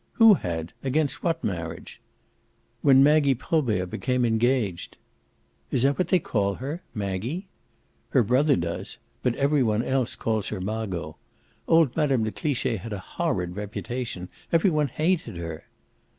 "Who had? against what marriage?" "When Maggie Probert became engaged." "Is that what they call her Maggie?" "Her brother does; but every one else calls her Margot. Old Mme. de Cliche had a horrid reputation. Every one hated her."